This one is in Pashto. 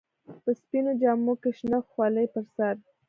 په سپينو جامو کښې شنه خولۍ پر سر.